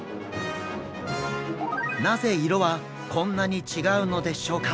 なぜ色はこんなに違うのでしょうか？